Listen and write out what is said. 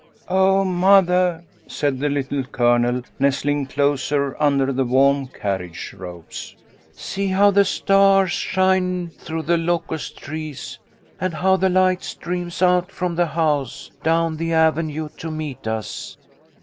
"Oh, mothah," said the Little Colonel, nestling closer under the warm carriage robes. "See how the stars shine through the locust trees, and how the light streams out from the house, down the avenue to meet us